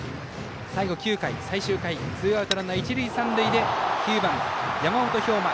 最後９回、最終回ツーアウト、ランナー、一塁三塁９番、山本彪真。